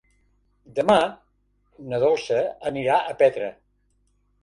Demà na Dolça anirà a Petra.